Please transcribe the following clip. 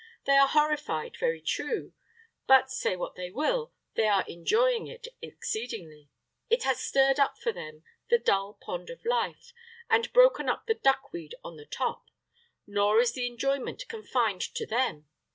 They are horrified, very true; but, say what they will, they are enjoying it exceedingly. It has stirred up for them the dull pond of life, and broken up the duckweed on the top. Nor is the enjoyment confined to them.